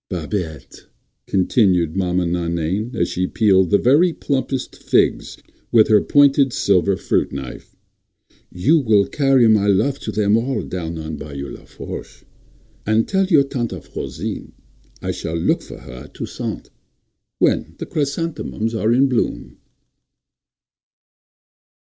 "Babette," continued Maman Nainaine, as she peeled the very plumpest figs with her pointed silver fruit knife, "you will carry my love to them all down on Bayou Lafourche. And tell your Tante Frosine I shall look for her at Toussaint—when the chrysanthemums are in bloom."